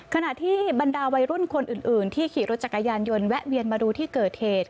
ขณะที่บรรดาวัยรุ่นคนอื่นที่ขี่รถจักรยานยนต์แวะเวียนมาดูที่เกิดเหตุ